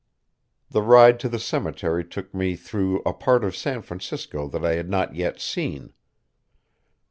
The ride to the cemetery took me through a part of San Francisco that I had not yet seen.